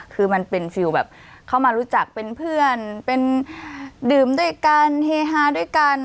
คือมันเป็นฟิลแบบเข้ามารู้จักเป็นเพื่อนเป็นดื่มด้วยกันเฮฮาด้วยกัน